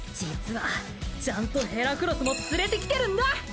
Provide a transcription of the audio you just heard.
実はちゃんとヘラクロスも連れてきてるんだ！